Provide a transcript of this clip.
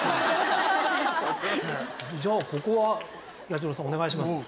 じゃあここは彌十郎さんお願いします。